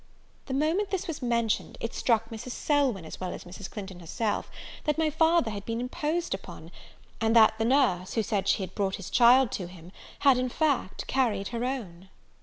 The moment this was mentioned, it struck Mrs. Selwyn, as well as Mrs. Clinton herself, that my father had been imposed upon; and that the nurse, who said she had brought his child to him, had, in fact, carried her own.